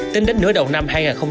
tính đến nửa đầu năm hai nghìn hai mươi